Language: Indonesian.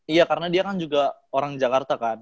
iya karena dia kan juga orang jakarta kan